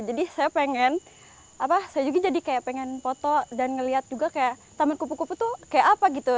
jadi saya pengen apa saya juga jadi kayak pengen foto dan ngelihat juga kayak taman kupu kupu tuh kayak apa gitu